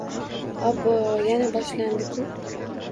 Obbo-o, yana boshlandi-ku!